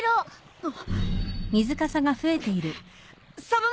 あっ。